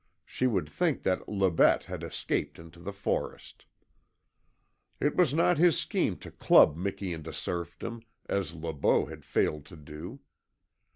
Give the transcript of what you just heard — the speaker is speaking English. She would think that LE BETE had escaped into the forest. It was not his scheme to club Miki into serfdom, as Le Beau had failed to do.